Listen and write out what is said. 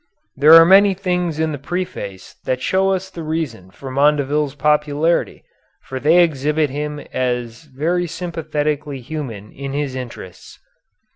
There are many things in the preface that show us the reason for Mondeville's popularity, for they exhibit him as very sympathetically human in his interests.